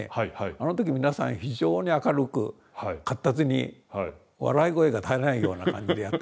あの時皆さん非常に明るく闊達に笑い声が絶えないような感じでやっておられる。